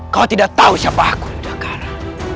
kau tidak tahu siapa aku jakarta